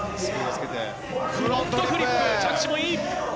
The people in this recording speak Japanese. フロントフリップ、着地もいい。